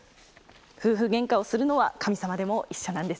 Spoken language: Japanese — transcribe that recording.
夫婦ゲンカをするのは神様でも一緒なんですね。